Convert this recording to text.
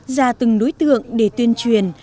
ra từng đối tượng để tuyên truyền